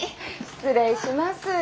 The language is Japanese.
失礼します。